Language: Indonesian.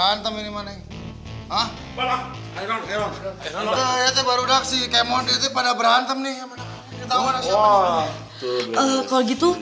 apa bawa yang air laut